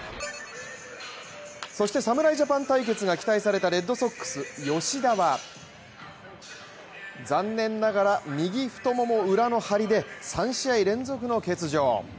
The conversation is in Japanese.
そして、侍ジャパン対決が期待されたレッドソックス・吉田は残念ながら、右太もも裏の張りで３試合連続の欠場。